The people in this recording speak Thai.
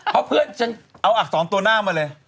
เอากลัวกลัวหน้ามาเลย